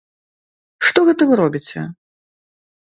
Што гэта вы робіце?